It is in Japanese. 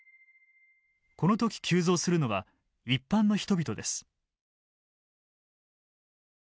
この時急増するのは一般の人々です。